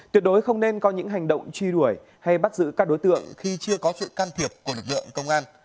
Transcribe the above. tuyệt đối không nên có những hành động truy đuổi hay bắt giữ các đối tượng khi chưa có sự can thiệp của lực lượng công an